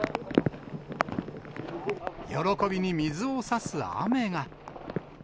喜びに水をさす雨が。